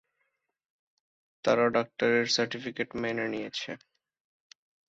তারা ডাক্তারের সার্টিফিকেট মেনে নিয়েছে।